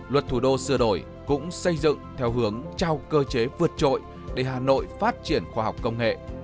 luật thủ đô sửa đổi cũng xây dựng theo hướng trao cơ chế vượt trội để hà nội phát triển khoa học công nghệ